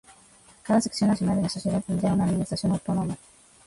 Cada sección nacional de la Sociedad tendría una administración autónoma.